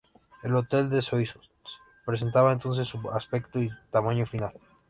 El hôtel de Soissons presentaba entonces su aspecto y tamaño final.